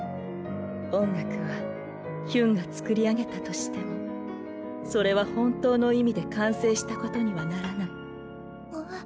音楽はヒュンが作り上げたとしてもそれは本当の意味で完成したことにはならない。